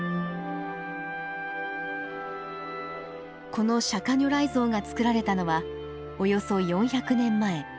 この釈如来像が作られたのはおよそ４００年前。